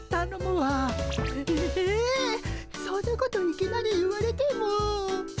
そんなこといきなり言われても。